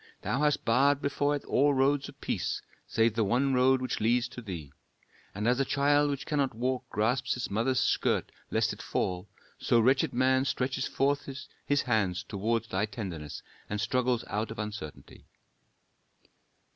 Thou hast barred before it all roads of peace, save the one road which leads to Thee. And as a child which cannot walk grasps its mother's skirt lest it fall, so wretched man stretches forth his hands toward Thy tenderness, and struggles out of uncertainty."